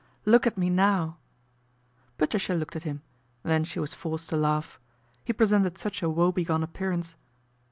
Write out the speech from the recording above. Look at me now !" Patricia looked at him, then she was forced to laugh. He presented such a woebegone appear ance.